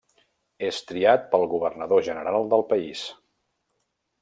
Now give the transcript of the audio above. És triat pel governador general del país.